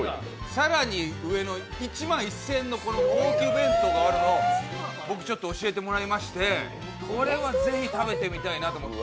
更に上の１万１０００円の高級弁当があるのを僕ちょっと教えてもらいまして、これはぜひ食べてみたいなと思って。